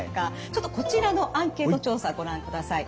ちょっとこちらのアンケート調査ご覧ください。